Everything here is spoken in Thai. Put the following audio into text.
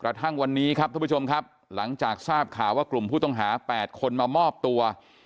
ทั้งวันนี้ครับท่านผู้ชมครับหลังจากทราบข่าวว่ากลุ่มผู้ต้องหา๘คนมามอบตัว